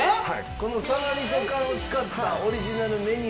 このサバみそ缶を使ったオリジナルメニュー。